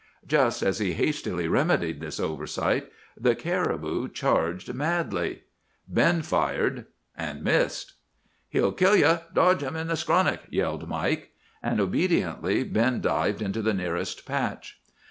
Just as he hastily remedied this oversight, the caribou charged madly. Ben fired—and missed! "'He'll kill ye! Dodge him in the skronnick,' yelled Mike. "And obediently Ben dived into the nearest patch.